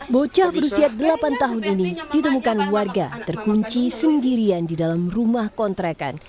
bocah berusia delapan tahun ini ditemukan warga terkunci sendirian di dalam rumah kontrakan